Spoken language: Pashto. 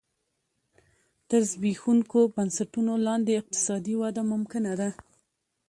تر زبېښونکو بنسټونو لاندې اقتصادي وده ممکنه ده